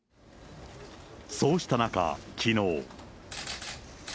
そうした中、きのう。